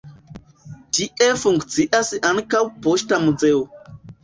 Tie funkcias ankaŭ Poŝta Muzeo.